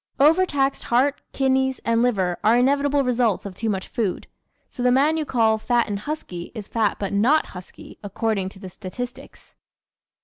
¶ Overtaxed heart, kidneys and liver are inevitable results of too much food. So the man you call "fat and husky" is fat but not husky, according to the statistics.